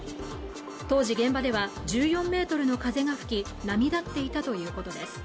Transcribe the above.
当時現場では１４メートルの風が吹き波立っていたということです